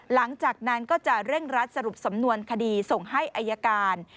หลังจากนั้นก็จะเร่งรัดสรุปสำนวนคดีส่งให้อายการ